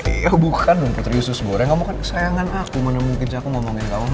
iya bukan putri usus goreng kamu kan kesayangan aku mana mungkin aku ngomongin kamu